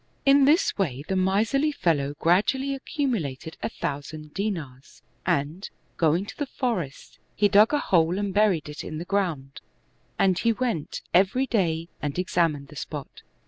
In this way the miserly fellow gradually accumulated a thousand dinars^ and, going to the forest, he dug a hole and buried it in the ground, and he went every day and examined the spot.